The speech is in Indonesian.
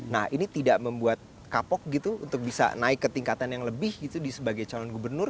nah ini tidak membuat kapok gitu untuk bisa naik ke tingkatan yang lebih gitu sebagai calon gubernur